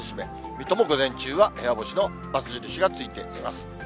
水戸も午前中は部屋干しのバツ印がついています。